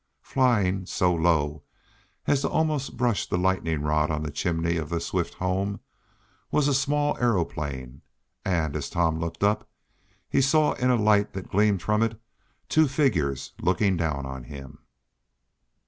For, flying so low as to almost brush the lightning rod on the chimney of the Swift home, was a small aeroplane, and, as Tom looked up, he saw in a light that gleamed from it, two figures looking down on him.